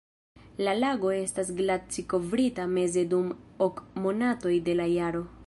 La lago estas glaci-kovrita meze dum ok monatoj de la jaro.